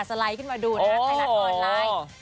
สไลด์ขึ้นมาดูนะแล้วก็ถ่ายหลักออนไลน์